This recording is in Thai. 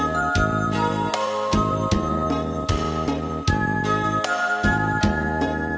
มีใจมีความรู้สึก